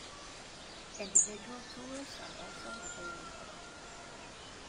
Individual tours are also available.